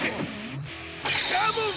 カモン！